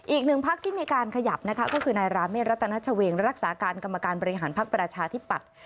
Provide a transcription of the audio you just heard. อีกหนึ่งพักที่มีการขยับนะคะก็คือนายราเมฆรัตนชเวงรักษาการกรรมการบริหารพักประชาธิปัตย์